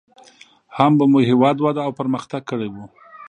هم به مو هېواد وده او پرمختګ کړى و.